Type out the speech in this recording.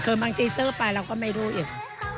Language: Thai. คือบางทีซื้อไปเราก็ไม่รู้อีก